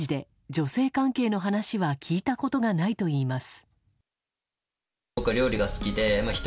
女性関係の話は聞いたことがないといいます。